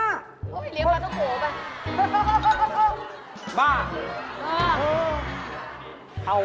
เลี้ยงปลาโตโกไป